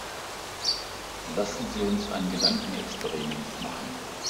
Lassen Sie uns ein Gedankenexperiment machen.